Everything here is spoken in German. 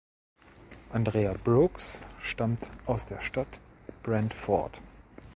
Andrea Brooks stammt aus der Stadt Brantford.